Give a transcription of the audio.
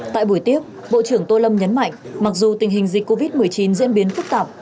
tại buổi tiếp bộ trưởng tô lâm nhấn mạnh mặc dù tình hình dịch covid một mươi chín diễn biến phức tạp